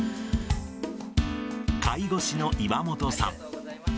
介護士の岩本さん。